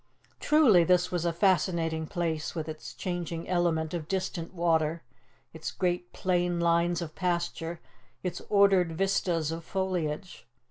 Truly this was a fascinating place, with its changing element of distant water, its great plain lines of pasture, its ordered vistas of foliage!